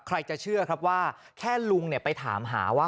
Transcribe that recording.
ใครจะเชื่อครับว่าแค่ลุงไปถามหาว่า